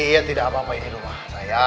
iya tidak apa apa di rumah saya